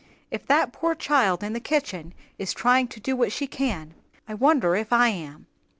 "If that poor child in the kitchen is trying to do what she can, I wonder if I am.